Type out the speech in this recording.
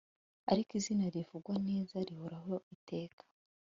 ariko izina rivugwa neza rihoraho iteka